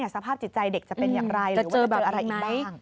สภาพจิตใจเด็กจะเป็นอย่างไรหรือว่าจะแบบอะไรอีกบ้าง